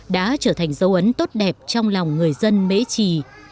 đã trở thành dấu ấn tốt đẹp trong lòng người dân mễ trì